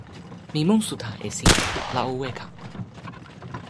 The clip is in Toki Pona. mi monsuta e sina, la o weka.